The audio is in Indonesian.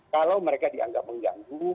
kalau mereka dianggap mengganggu